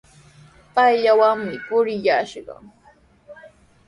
Payllawanmi purillashaq.